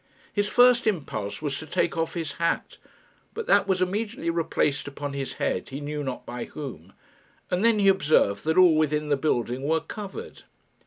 His first impulse was to take off his hat, but that was immediately replaced upon his head, he knew not by whom; and then he observed that all within the building were covered.